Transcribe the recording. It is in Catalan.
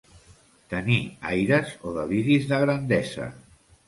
Tenir aires o deliris de grandesa.